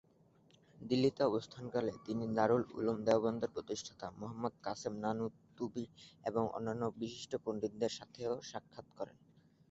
দিল্লিতে অবস্থানকালে তিনি দারুল উলুম দেওবন্দের প্রতিষ্ঠাতা মুহাম্মদ কাসেম নানুতুবি এবং অন্যান্য বিশিষ্ট পণ্ডিতদের সাথেও সাক্ষাৎ করেন।